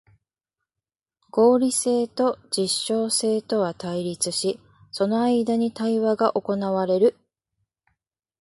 合理性と実証性とは対立し、その間に対話が行われる。